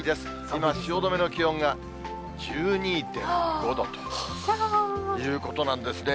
今、汐留の気温が１２．５度ということなんですね。